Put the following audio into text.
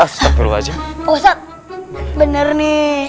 ini pesantren kunanta bukan pesantren baitu salam